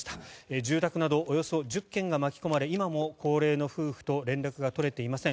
住宅などおよそ１０軒が巻き込まれ今も高齢の夫婦と連絡が取れていません。